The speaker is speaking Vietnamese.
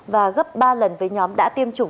và gấp ba lần với nhóm đã tiêm chủng